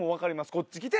こっち来て。